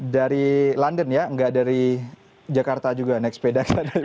dari london ya nggak dari jakarta juga naik sepeda